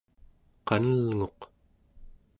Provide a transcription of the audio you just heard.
qanelnguq